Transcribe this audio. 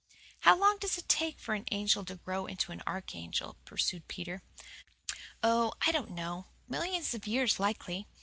"How long does it take for an angel to grow into an archangel?" pursued Peter. "Oh, I don't know. Millions of years likely.